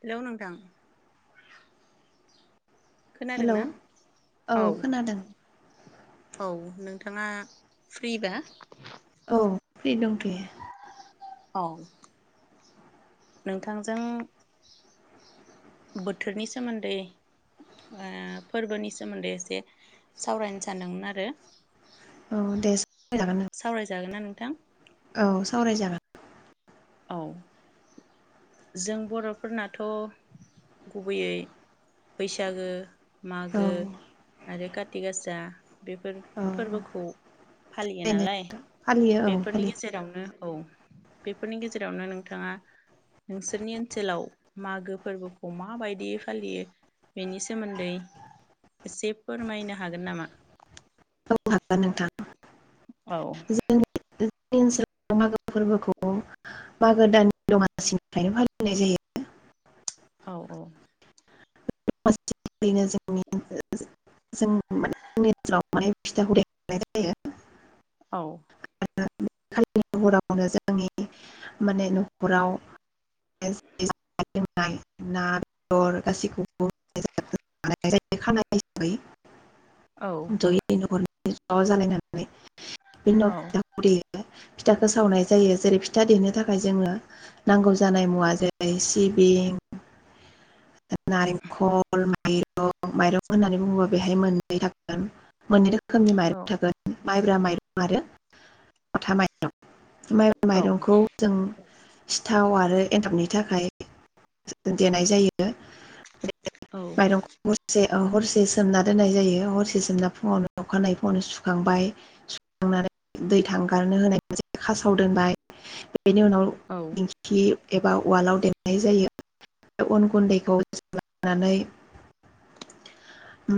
Hello नोंथां खोनादों hello ना औ औ खोनादों औ नोंथाङा फ्रिबा औ फ्रि दंथयो औ नोंथांजों बोथोरनि सोमोन्दै ओ फोरबोनि सोमोन्दै एसे सावरायनो सानदोंमोन आरो औ दे सावरायजागोन नों थां औ सावराय जागोन औ जों बर'फोरनाथ' गुबैयै बैसागो मागो औ आरो काति गासा बेफोर औ फोरबोखौ फालियो बेनो नालाय फालियो औ बेफोरनि फालियो गेजेरावनो औ बेफोरनि गेजेरावनो नोंथाङा नोंसोरनि ओनसोलाव मागो फोरबोखौ माबायदियै फालियो बेनि सोमोन्दै एसे फोरमायनो हागोन नामा औ हागोन नोंथां औ जोंनि जोंनि ओनसोलाव मागो फोरबोखौ मागो दाननि दमासिनिफ्रायनो फालिनाय जायो औ औ दमासिनिफ्रायनो जोंनि ओनसोल जों माने जोंनि ओनसोलाव माने फिथाखौ देनाय जायो औ ओ खालिनि हरावनो जोंनि माने न'खराव संनाय जानाय लोंनाय ना बेदर गासिखौबो [unintelligible] खानाय हिसाबै औ जयै न'खर न' ज' जालायनानै बेनि औ उनाव [unintelligible] फिथाखौ सावनाय जायो जेरै फिथा देनो थाखाय जोङो नांगौ जानाय मुवा जेरै सिबिं नारेंखल माइरं माइरं होननानै बुङोबा बेहाय मोननै थागोन मोननै रो रोखोमनि औ माइरं थागोन माइब्रा माइरं आरो माथा माइरं मायब्रा औ माइरंखौ जों सिथाव आरो एन्थाबनि थाखाय देनाय जायो ओ बे औ माइरंखौ हरसे हरसे सोमना दोननाय जायो हरसे सोमना फुङावनो अखानायै फुङावनो सुखांबाय सुखांनानै दै थांगारनो होनाय जायो खासाव दोनबाय बेनि उनाव औ दिंखि एबा उवालाव देनाय जायो गुन्दैखौ [unintelligible] ओ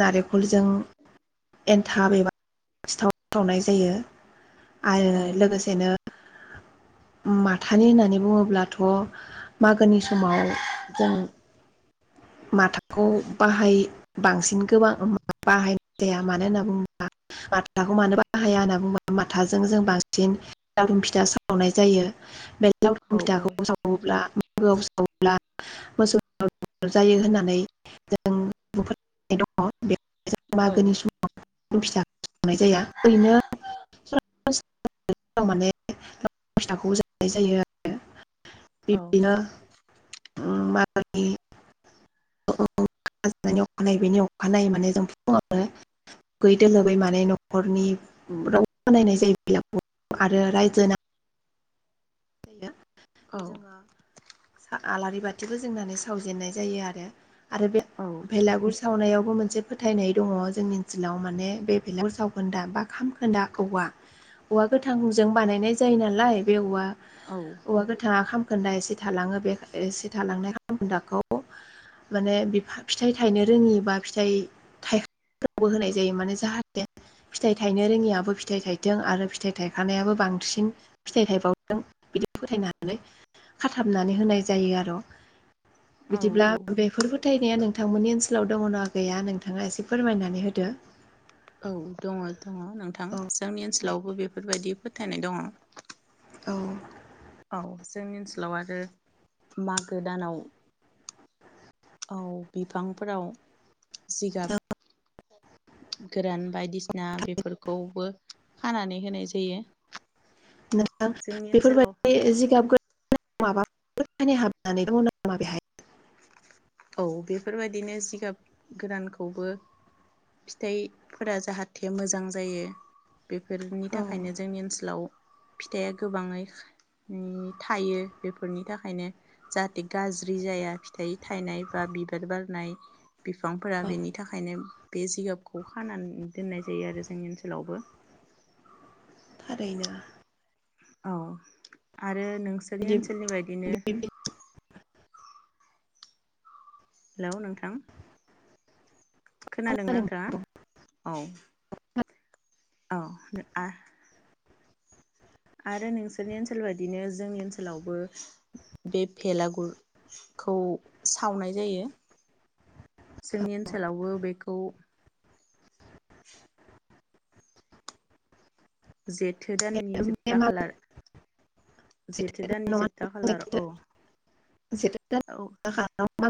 नारेंखलजों एन्थाब एबा सिथाव सावनाय जायो। आरो औ लोगोसेनो माथानि होननानै बुङोब्लाथ' मागोनि समाव जों माथाखौ बाहाय बांसिन गोबां बाहायनाय जाया मानो होनना बुङोबा माथाखौ मानो बाहाया होनना बुङोबा माथाजों जों बांसिन लावदुम फिथा सावनाय जायो बे लावथुम औ फिथाखौ सावोब्ला [unintelligible] जायो होननानै जों [unintelligible] मागोनि समाव फिथाखौ सावनाय जाया ओरैनो [unintelligible] जानाय जायो आरो [unintelligible] [unintelligible] बानायनाय जायो [unintelligible] आरो राइजो नां [unintelligible] बे खौ जोङो आलारि बाथि फोजोंनानै सावजेननाय जायो आरो [unintelligible] आरो बे औ भेलागुर सावनायावबो मोनसे फोथायनाय दङ जोंनि ओनसोलाव माने बे बेलागुर सावखोन्दा बा खाम खोन्दा औवा औवा गोथांजों बानायनाय जायो नालाय बे औवा औवा गोथाङा खाम खोनदा एसे थालाङो बे एसे थालांनाय खामखोनदाखौ माने बिफ-फिथाइ थायनो रोङि बा फिथाइ [unintelligible] होनाय जायो माने जाहाथे फिथाइ थायनो रोङियाबो फिथाइ थायथों आरो फिथाइ थायखानायाबो बांसिन फिथाइ थामबाव बिदि फोथायनानै खाथाबनानै होनाय जायो आरो औ बिदिब्ला बेफोर फोथायनाया नों नोंथांमोननि ओनसोलाव दङ नङा गैया नोंथाङा एसे फोरमायनानै होदो औ दङ दङ नोंथां औ जोंनि ओनसोल दे जोंनावबो बेफोरबायदि फोथायनाय दङ औ औ जोंनि ओनसोलाव आरो मागो दानाव औ बिफांफोराव जिगाब गोरान बायदिसिना ना बेफोरखौबो खानानै होनाय जायो नोंथां जोंनि ओनसोलाव बेफोरबायदि जिगाब [unintelligible] औ बेफोरबायदिनो जिगाब गोदानखौबो फिथाइफोरा जाहाथे मोजां जायो। बेफोरनि औ थाखायनो जोंनि ओनसोलाव फिथाइया गोबाङै उम थायो बेफोरनि थाखायनो जाहाथे गाज्रि जाया फिथाइ थायनाय बा बिबार बारनाय बिफांफोरा औ बेनि थाखायनो बे जिगाबखौ खानानै दोननाय जायो आरो जोंनि ओनसोलावबो ओरैनो औ आरो नोंसोरनि बिदिब्ला ओनसोलनि बायदिनो हेलौ नोंथां खोनादोंना नोंथाङा? औ अ आ आरो नोंसोरनि ओनसोल बायदिनो जोंनि ओनसोलावबो बे भेलागुरखौ सावनाय जायो। जोंनि ओनसोलावबो बेखौ जेत जेथो दाननि जोबथा नोंथाङा खालार जेथो दाननि जोबथा खालार औ औ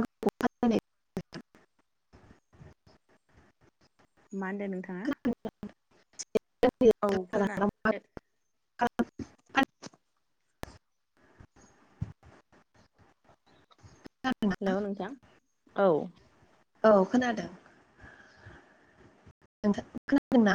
[unintelligible] मा होनदों नोंथाङा? औ खोना हेलौ नोंथां औ औ खोनादों। नोंथां खोनांगादोंना?